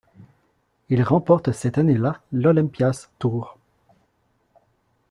Il remporte cette année-là l'Olympia's Tour.